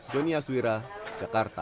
joni aswira jakarta